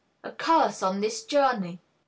A curse on this journey! Q.